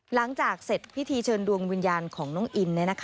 หลังจากเสร็จพิธีเชิญดวงวิญญาณของน้องอิน